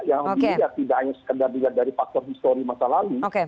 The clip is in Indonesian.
yang dilihat tidak hanya sekedar dilihat dari faktor histori masa lalu